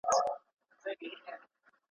نیلی مي زین دی روانېږمه بیا نه راځمه.